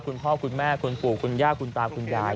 คุณพ่อคุณแม่คุณปู่คุณย่าคุณตาคุณยาย